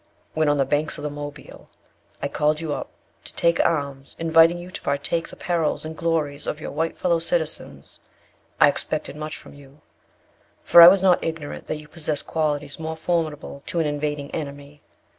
When on the banks of the Mobile I called you to take up arms, inviting you to partake the perils and glory of your white fellow citizens, I expected much from you; for I was not ignorant that you possess qualities most formidable to an invading enemy.